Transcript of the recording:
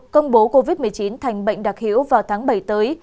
công bố covid một mươi chín thành bệnh đặc hữu vào tháng bảy tới